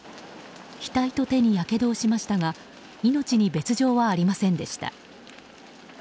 額と手にやけどをしましたが命に別条はありませんでした。